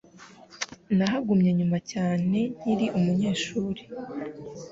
Nahagumye nyuma cyane nkiri umunyeshuri.